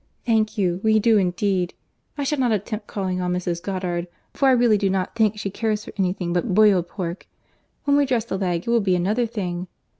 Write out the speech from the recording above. Thank you, we do indeed. I shall not attempt calling on Mrs. Goddard, for I really do not think she cares for any thing but boiled pork: when we dress the leg it will be another thing.